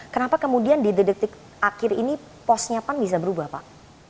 kenapa kemudian di detik detik akhir ini posnya pan bisa berubah pak